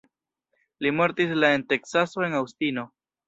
Li mortis la en Teksaso en Aŭstino.